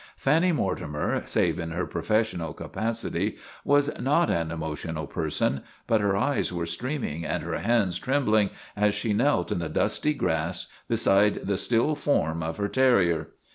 Fanny Mortimer, save in her professional ca pacity, was not an emotional person, but her eyes were streaming and her hands trembling as she knelt in the dusty grass beside the still form of her terrier.